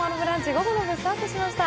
午後の部スタートしました。